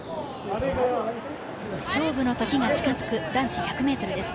勝負の時が近づく、男子１００ｍです